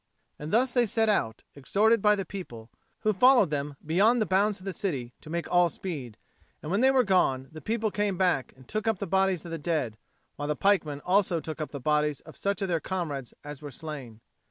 And thus they set out, exhorted by the people, who followed them beyond the bounds of the city, to make all speed. And when they were gone, the people came back and took up the bodies of the dead; while the pikemen also took up the bodies of such of their comrades as were slain.